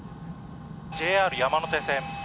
ＪＲ山手線